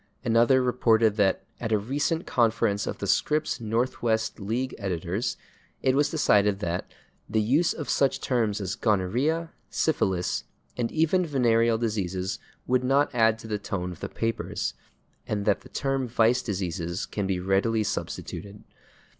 Another reported that "at a recent conference of the Scripps Northwest League editors" it was decided that "the use of such terms as /gonorrhea/, /syphilis/, and even /venereal diseases/ would not add to the tone of the papers, and that the term /vice diseases/ can be readily substituted."